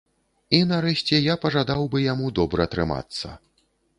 І нарэшце, я пажадаў бы яму добра трымацца.